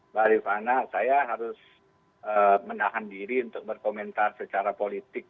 mbak rifana saya harus menahan diri untuk berkomentar secara politik